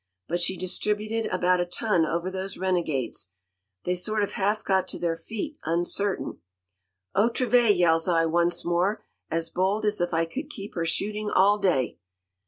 But she distributed about a ton over those renegades. They sort of half got to their feet uncertain. "'Otra vez!' yells I once more, as bold as if I could keep her shooting all day.